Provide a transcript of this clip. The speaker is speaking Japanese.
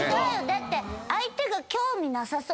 だって。